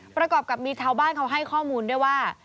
ประกอบกับมีชาวบ้านเขาให้ข้อมูลด้วยว่า